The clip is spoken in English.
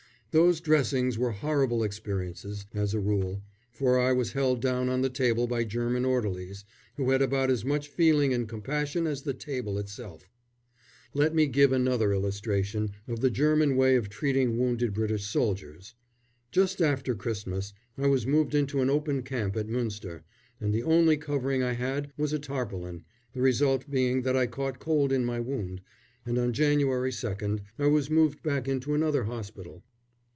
Those dressings were horrible experiences, as a rule, for I was held down on the table by German orderlies, who had about as much feeling and compassion as the table itself. Let me give another illustration of the German way of treating wounded British soldiers. Just after Christmas I was moved into an open camp at Münster, and the only covering I had was a tarpaulin, the result being that I caught cold in my wound, and on January 2nd I was moved back into another hospital.